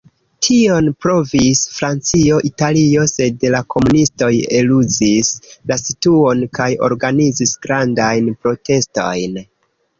Tion provis Francio, Italio, sed la komunistoj eluzis la situon kaj organizis grandajn protestojn.